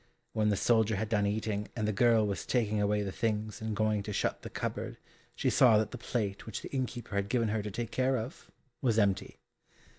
When the soldier had done eating, and the girl was taking away the things and going to shut the cupboard she saw that the plate which the innkeeper had given her to take care of, was empty.